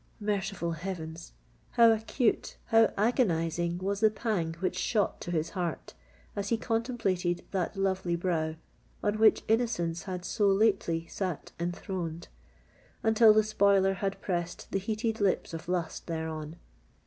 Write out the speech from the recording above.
Merciful heavens! how acute—how agonising was the pang which shot to his heart, as he contemplated that lovely brow on which innocence had so lately sate enthroned, until the spoiler had pressed the heated lips of lust thereon!